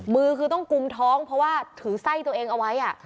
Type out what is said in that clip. มือคือต้องกุมท้องเพราะว่าถือไส้ตัวเองเอาไว้